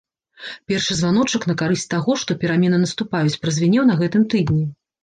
Першы званочак на карысць таго, што перамены наступаюць, празвінеў на гэтым тыдні.